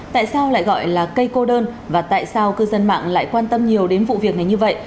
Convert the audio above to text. tại sao lại gọi là cây cô đơn và tại sao cư dân mạng lại quan tâm nhiều đến vụ việc này như vậy